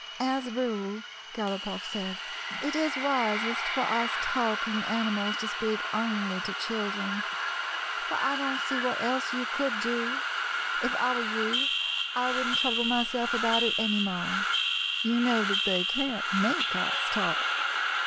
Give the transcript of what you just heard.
" As a rule," Galopoff said, " it is wisest for us talking animals to speak only to children. But I don't see what else you could do. If I were you, I would n't trouble myself about it any more. You know that they can't make us talk."